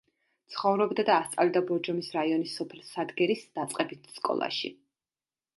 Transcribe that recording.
ცხოვრობდა და ასწავლიდა ბორჯომის რაიონის სოფელ სადგერის დაწყებით სკოლაში.